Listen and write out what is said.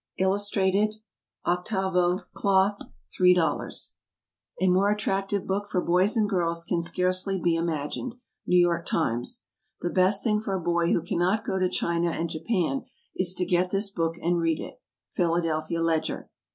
Illustrated, 8vo, Cloth, $3.00. A more attractive book for boys and girls can scarcely be imagined. N. Y. Times. The best thing for a boy who cannot go to China and Japan is to get this book and read it. _Philadelphia Ledger.